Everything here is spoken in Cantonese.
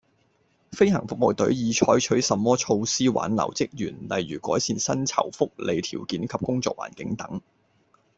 飛行服務隊已採取甚麼措施挽留職員，例如改善薪酬福利條件及工作環境等